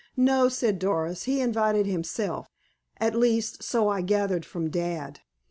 "No," said Doris. "He invited himself. At least, so I gathered from dad."